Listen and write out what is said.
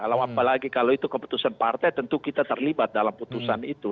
apalagi kalau itu keputusan partai tentu kita terlibat dalam putusan itu